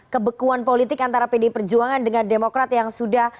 kebekuan politik antara pdi perjuangan dengan demokrat yang sudah